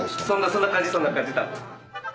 そんな感じそんな感じ。